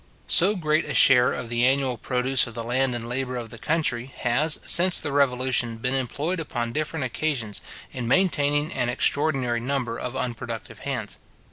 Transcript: So great a share of the annual produce of the land and labour of the country, has, since the Revolution, been employed upon different occasions, in maintaining an extraordinary number of unproductive hands.